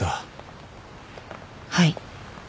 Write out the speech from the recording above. はい。